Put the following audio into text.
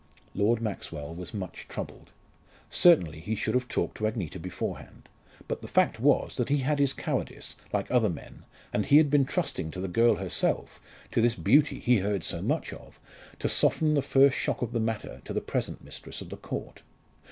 Lord Maxwell was much troubled. Certainly he should have talked to Agneta beforehand. But the fact was he had his cowardice, like other men, and he had been trusting to the girl herself, to this beauty he heard so much of, to soften the first shock of the matter to the present mistress of the Court.